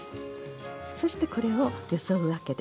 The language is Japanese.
そしてこれをよそうわけです。